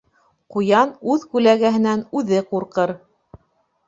Ҡуян үҙ күләгәһенән үҙе ҡурҡыр.